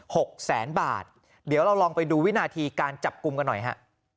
หกแสนบาทเดี๋ยวเราลองไปดูวินาทีการจับกลุ่มกันหน่อยฮะ